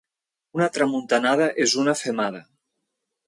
Una tramuntanada és una femada.